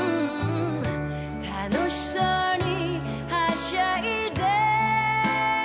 「楽しそうにはしゃいで」